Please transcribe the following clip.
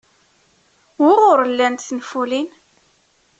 Wuɣur llant tenfulin?